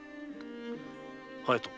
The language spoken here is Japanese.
隼人。